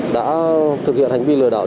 đã thực hiện hành vi lừa đảo